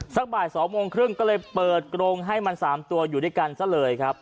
สักบ่าย๒โมงครึ่งก็เลยเปิดกรงให้มัน๓ตัวอยู่ด้วยกันซะเลยครับ